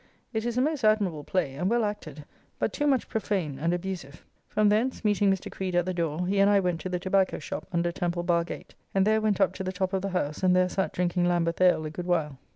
It is a most admirable play and well acted, but too much prophane and abusive. From thence, meeting Mr. Creed at the door, he and I went to the tobacco shop under Temple Bar gate, and there went up to the top of the house and there sat drinking Lambeth ale a good while.